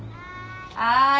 はい。